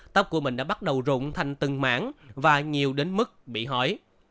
tóc của mình đã bắt đầu rụng thành từng mảng và nhiều đến mức bị hỏi